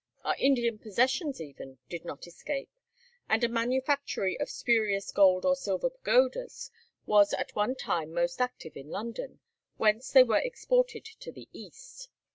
Our Indian possessions even did not escape, and a manufactory of spurious gold or silver pagodas was at one time most active in London, whence they were exported to the East.